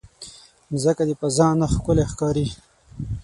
مځکه د فضا نه ښکلی ښکاري.